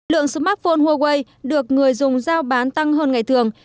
lượng smartphone huawei được người dùng giao bán tăng hơn ngày thường